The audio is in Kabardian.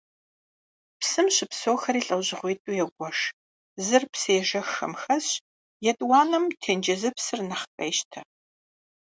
Псым щыпсэухэри лӏэужьыгъуитӏу егуэшыж: зыр псыежэххэм хэсщ, етӏуанэм тенджызыпсыр нэхъ къещтэ.